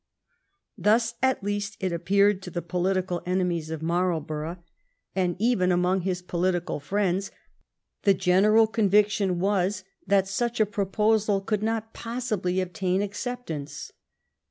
Thus, at least, it appeared to the political enemies of Marlborough, and even among his political friends the general conviction was that such a proposal could not possibly obtain acceptance.